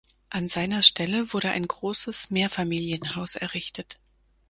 An seiner Stelle wurde ein großes Mehrfamilienhaus errichtet.